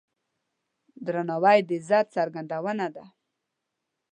درناوی د عزت څرګندونه ده.